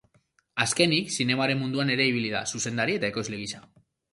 Azkenik, zinemaren munduan ere ibili da, zuzendari eta ekoizle gisa.